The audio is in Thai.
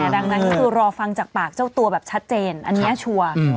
ดังนั้นคือรอฟังจากปากเจ้าตัวแบบชัดเจนอันนี้ชัวร์